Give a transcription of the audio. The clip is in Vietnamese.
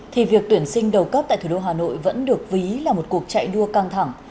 thì việc tuyển sinh đầu cấp tại thủ đô hà nội vẫn được ví là một cuộc chạy đua căng thẳng